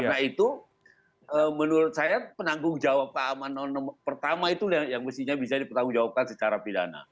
jadi itu menurut saya penanggung jawab pertama itu yang mestinya bisa dipertanggung jawabkan secara pidana